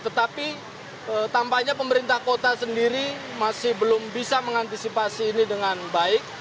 tetapi tampaknya pemerintah kota sendiri masih belum bisa mengantisipasi ini dengan baik